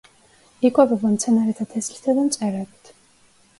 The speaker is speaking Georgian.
იკვებება მცენარეთა თესლითა და მწერებით.